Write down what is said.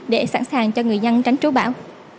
để sẵn sàng cho người dân tránh trú bão